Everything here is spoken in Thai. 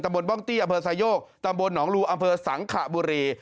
บนบ้องตี้อำเภอไซโยกตำบลหนองลูอำเภอสังขบุรี